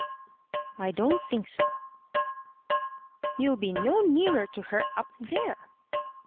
"I don't think so." "You'll be no nearer to her up there."